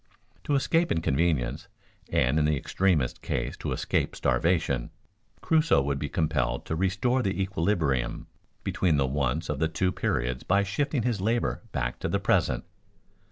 To escape inconvenience, and in the extremest case to escape starvation, Crusoe would be compelled to restore the equilibrium between the wants of the two periods by shifting his labor back to the present.